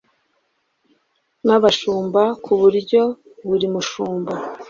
N abashumba ku buryo buri mushumba